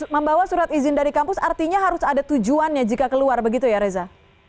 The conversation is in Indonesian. membawa surat izin dari kampus artinya harus ada tujuannya jika keluar begitu ya reza